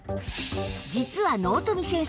実は納富先生